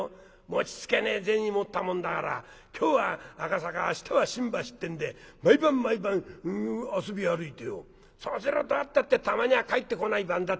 持ちつけねえ銭持ったもんだから今日は赤坂明日は新橋ってんで毎晩毎晩遊び歩いてよそうすると何たってたまには帰ってこない晩だってあるよ。